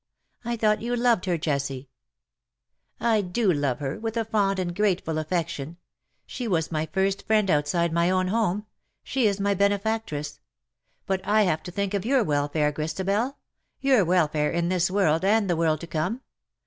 I thought you loved her, Jessie T' " I do love her, with a fond and grateful affec tion. She was my first friend outside my own. home ; she is my benefactress. But I have to think of your welfare, Christabel — your welfare in this world and the world to come.